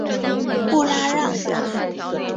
布拉让。